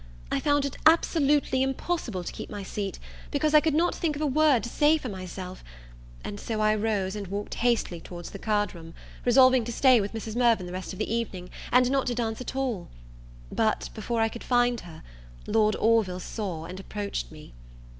I found it absolutely impossible to keep my seat, because I could not think of a word to say for myself; and so I rose, and walked hastily towards the card room, resolving to stay with Mrs. Mirvan the rest of the evening, and not to dance at all. But before I could find her, Lord Orville saw and approached me.